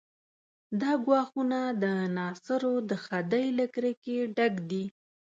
دا ګواښونه د ناصرو د خدۍ له کرکې ډک دي.